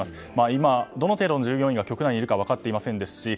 今、どの程度の従業員が局内にいるか分かっていませんですし